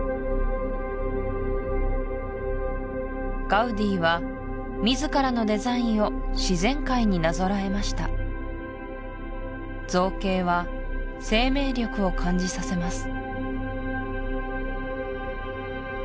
ガウディは自らのデザインを自然界になぞらえました造形は生命力を感じさせます